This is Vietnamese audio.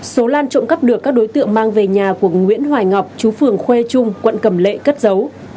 số lan trộm cắp được các đối tượng mang về nhà của nguyễn hoài ngọc chú phường khuê trung quận cầm lệ cất dấu